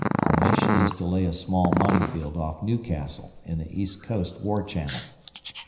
Our mission is to lay a small minefield off Newcastle in the East Coast war channel.